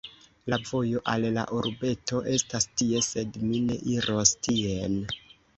La vojo al la urbeto estas tie sed mi ne iros tien